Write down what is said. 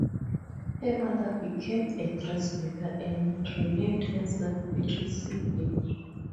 Her mother became a dressmaker and renamed herself Beatrice Sidney.